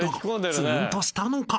ツーンとしたのか？］